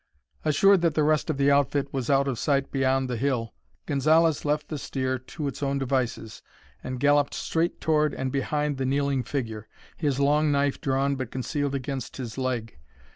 Assured that the rest of the outfit was out of sight beyond the hill, Gonzalez left the steer to its own devices and galloped straight toward and behind the kneeling figure, his long knife drawn but concealed against his leg.